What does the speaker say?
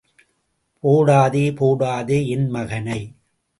போடாதே போடாதே என் மகனை.